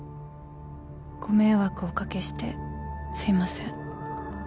「ご迷惑をおかけしてすみません」